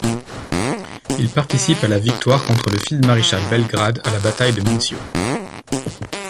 Il participe à la victoire contre le feld-maréchal Bellegarde à la bataille du Mincio.